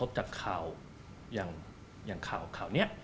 กระทบจากข่าวอย่างข่าวนี้